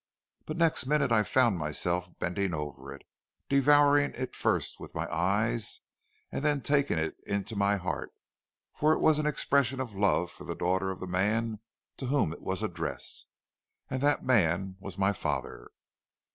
But next minute I found myself bending over it, devouring it first with my eyes, and then taking it to my heart, for it was an expression of love for the daughter of the man to whom it was addressed, and that man was my father.